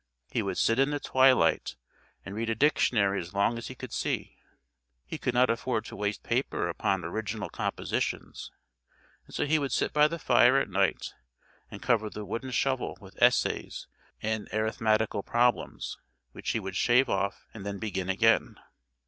He would sit in the twilight and read a dictionary as long as he could see. He could not afford to waste paper upon original compositions, and so he would sit by the fire at night and cover the wooden shovel with essays and arithmetical problems, which he would shave off and then begin again.